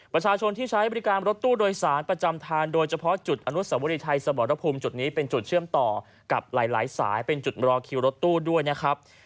ประชาชนที่ใช้บริการรถตู้โดยสารประจำทางโดยเฉพาะจุดอนุสวรีไทยสมรภูมิจุดนี้เป็นจุดเชื่อมต่อกับหลายสายเป็นจุดรอคิวรถตู้ด้วยนะครับ